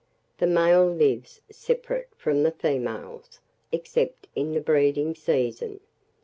The male lives separate from the females, except in the breeding season.